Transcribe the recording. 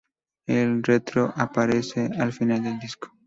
El retro aparece al final del disco.